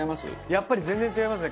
やっぱり全然違いますね。